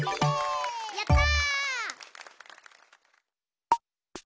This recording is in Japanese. やった！